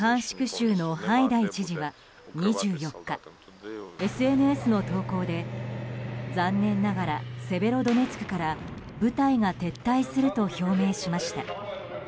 州のハイダイ知事は２４日、ＳＮＳの投稿で残念ながらセベロドネツクから部隊が撤退すると表明しました。